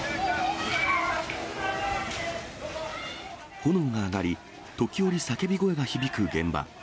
炎が上がり、時折叫び声が響く現場。